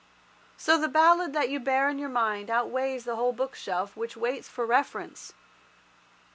So the ballad that you bear in your mind outweighs the whole bookshelf which waits for reference.